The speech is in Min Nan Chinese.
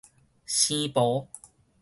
生婆